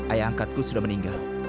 ayah angkatku sudah meninggal